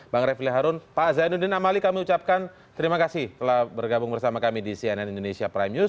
bang refli harun pak zainuddin amali kami ucapkan terima kasih telah bergabung bersama kami di cnn indonesia prime news